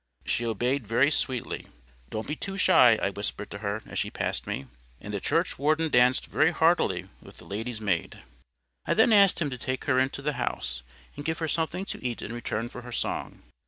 She obeyed very sweetly. "Don't be too shy," I whispered to her as she passed me. And the churchwarden danced very heartily with the lady's maid. I then asked him to take her into the house, and give her something to eat in return for her song.